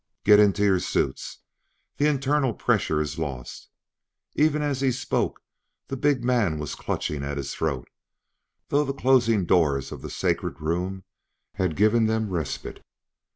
"Get into your suits! The internal pressure is lost." Even as he spoke the big man was clutching at his throat, though the closing doors of the sacred room had given them respite.